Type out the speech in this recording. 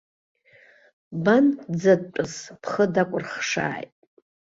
Бан ӡатәс бхы дакәырхшааит!